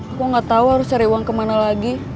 aku nggak tahu harus cari uang kemana lagi